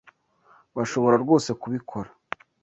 Bashobora rwose kubikora?